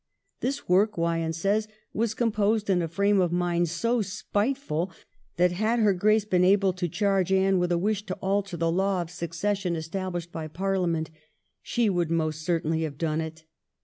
This work, Wyon says, ' was composed in a frame of mind so spiteful that had her Grace been able to charge Anne with a wish to alter the law of succession established by Parliament she would most certainly have done it.